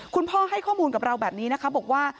คุณพ่อให้ข้อมูลกับเราแบบนี้นะคะบอกว่า